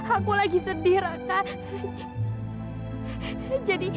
aku lagi sedih raka